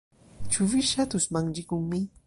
Ĉu vi ŝatus manĝi kun mi?